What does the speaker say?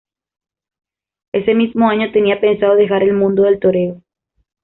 Ese mismo año tenía pensado dejar el mundo del toreo.